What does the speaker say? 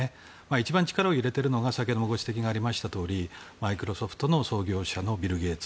一番力を入れているのが先ほどご指摘があったとおりマイクロソフトの創業者のビル・ゲイツ。